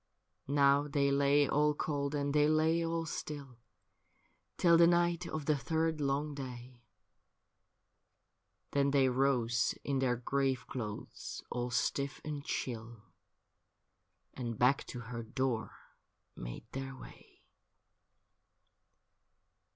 JEANNE BRAS 21 • Now they la) all cold and they lay all still Till the night of the third long day ; Then they rose in their grave clothes, all stiff and chill, And back to her door made their way.